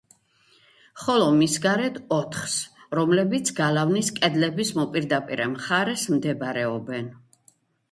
ხოლო მის გარეთ ოთხს, რომლებიც გალავნის კედლების მოპირდაპირე მხარეს მდებარეობენ.